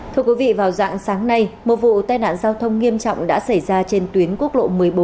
thưa quý vị vào dạng sáng nay một vụ tai nạn giao thông nghiêm trọng đã xảy ra trên tuyến quốc lộ một mươi bốn